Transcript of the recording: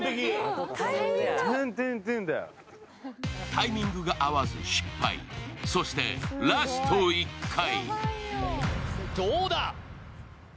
タイミングが合わず失敗そしてラスト１回。